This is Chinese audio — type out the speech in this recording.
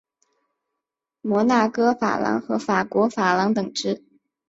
摩纳哥法郎和法国法郎等值。